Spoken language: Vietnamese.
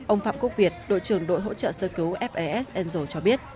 ông phạm quốc việt đội trưởng đội hỗ trợ sơ cứu fas angel cho biết